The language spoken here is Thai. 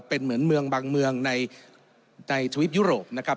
เป็นเหมือนเมืองบางเมืองในทวิปยุโรปนะครับ